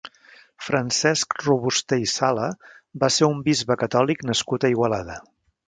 Francesc Robuster i Sala va ser un bisbe catòlic nascut a Igualada.